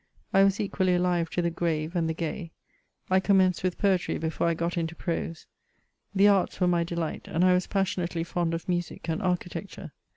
I was equally alive to the grave and the gay. I commenced with poetry before I got into prose ; the arts were my delight, and I was pjassibnately fond of music and architecture.